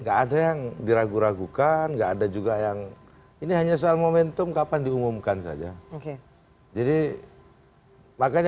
nggak ada apa yang diragukan nggak ada juga yang ini hanya soal momentum kapan diumumkan saja oke jadi makanya